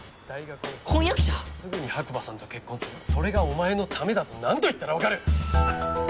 すぐに白馬さんと結婚するそれがお前のためだと何度言ったら分かる！